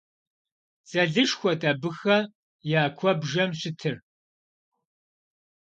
Дзэлышхуэт абыхэ я куэбжэпэм щытыр.